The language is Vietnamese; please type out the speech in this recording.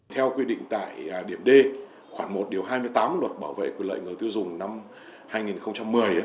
theo quy định tại điểm d khoảng một điều hai mươi tám luật bảo vệ quyền lợi người tiêu dùng năm hai nghìn một mươi